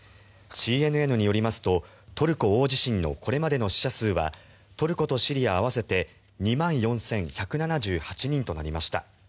ＣＮＮによりますとトルコ大地震のこれまでの死者数はトルコとシリア合わせて２万４１７８人となりました。